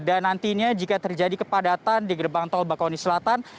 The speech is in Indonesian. dan nantinya jika terjadi kepadatan di gerbang tol bakahuni selatan